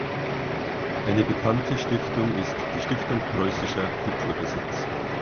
Eine bekannte Stiftung ist die Stiftung Preußischer Kulturbesitz.